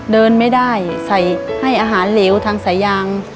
เดินไม่ได้ใส่ให้อาหารเหลวทางสายยาง